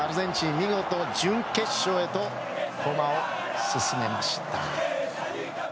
見事、準決勝へと駒を進めました。